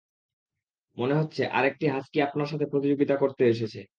মনে হচ্ছে আরেকটি হাস্কি আপনার সাথে প্রতিযোগিতা করতে এসেছে।